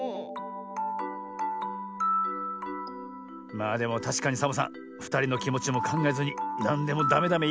まあでもたしかにサボさんふたりのきもちもかんがえずになんでもダメダメいいすぎた。